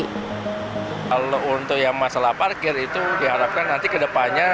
kalau untuk yang masalah parkir itu diharapkan nanti ke depannya